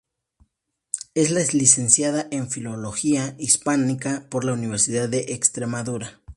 Es licenciada en Filología Hispánica por la Universidad de Extremadura.